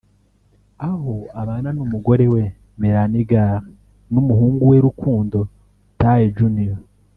aho abana n’umugore we Melanie Gale n’umuhungu we Rukundo Taye Jr